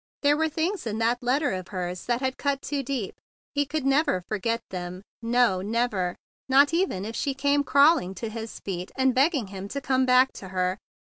There were things in that letter of hers that had cut too deep. He could never forget them, no, never, not even if she came crawling to his feet and beg¬ ging him to come back to her.